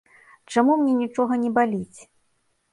Чаму мне нічога не баліць?